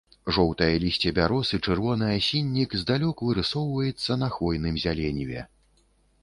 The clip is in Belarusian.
Жоўтае лісце бяроз і чырвоны асіннік здалёк вырысоўваецца на хвойным зяленіве.